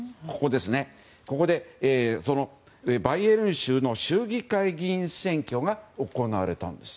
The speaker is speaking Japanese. ここで、バイエルン州の議会議員選挙が行われたんです。